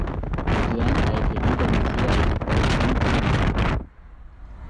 Duan a été lié d'amitié avec le poète Wen Tingyun.